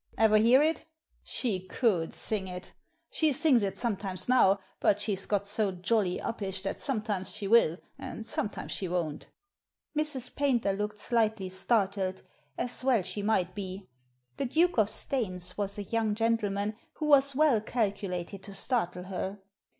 Ever hear it? She could sing it! She sings it sometimes now, but she's got so jolly uppish that sometimes she will and sometimes she won't" Mrs. Paynter looked slightly startled, as well she might be. The Duke of Staines was a young gentleman who was well calculated to startle her.